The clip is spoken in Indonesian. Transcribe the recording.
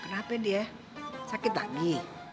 kenapa dia sakit lagi